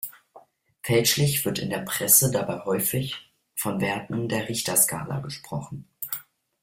Fälschlich wird in der Presse dabei häufig von Werten der Richterskala gesprochen.